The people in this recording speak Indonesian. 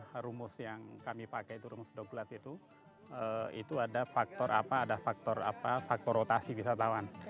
pada saat ini pemerintah yang kami pakai itu ada faktor rotasi wisatawan